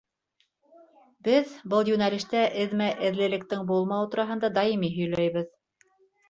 — Беҙ был йүнәлештә эҙмә-эҙлеклелектең булмауы тураһында даими һөйләйбеҙ.